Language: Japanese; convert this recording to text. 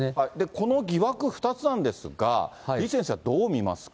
この疑惑２つなんですが、李先生はどう見ますか？